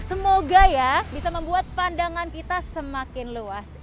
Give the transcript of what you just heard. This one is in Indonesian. semoga ya bisa membuat pandangan kita semakin luas